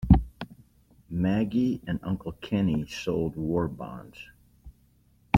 Maggie and Uncle Kenny sold war bonds.